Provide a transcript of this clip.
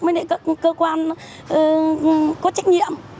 với những cơ quan có trách nhiệm